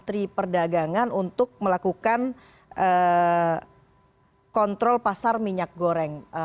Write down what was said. menteri perdagangan untuk melakukan kontrol pasar minyak goreng